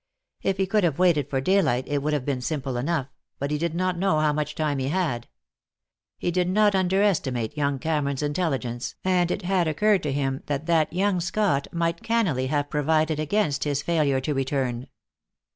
If he could have waited for daylight it would have been simple enough, but he did not know how much time he had. He did not underestimate young Cameron's intelligence, and it had occurred to him that that young Scot might cannily have provided against his failure to return.